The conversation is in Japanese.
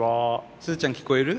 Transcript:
スズちゃん聞こえる？